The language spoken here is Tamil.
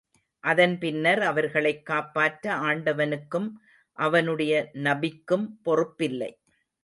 அதன் பின்னர் அவர்களைக் காப்பாற்ற ஆண்டவனுக்கும், அவனுடைய நபிக்கும் பொறுப்பில்லை.